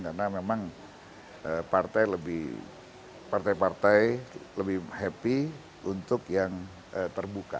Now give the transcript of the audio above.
karena memang partai partai lebih happy untuk yang terbuka